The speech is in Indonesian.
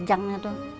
kejang itu kan sekitar